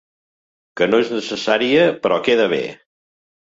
Que no és necessària, però queda bé.